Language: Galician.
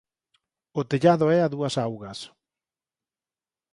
O tellado é a dúas augas.